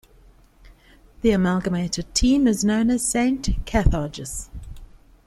The amalgamated team is known as Saint Carthages.